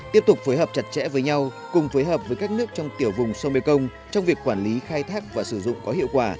tiếp tục phối hợp chặt chẽ với nhau cùng phối hợp với các nước trong tiểu vùng sông mekong trong việc quản lý khai thác và sử dụng có hiệu quả